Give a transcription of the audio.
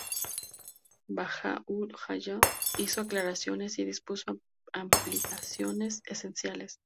Bahá’u’lláh hizo aclaraciones y dispuso ampliaciones esenciales.